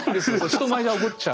人前で怒っちゃう。